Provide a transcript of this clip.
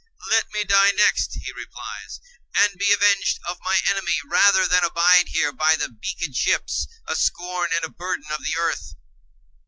"Let me die next," he replies, "and be avenged of my enemy, rather than abide here by the beaked ships, a scorn and a burden of the earth."